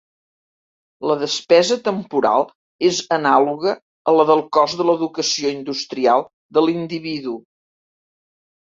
La despesa temporal és anàloga a la del cost de l'educació industrial de l'individu.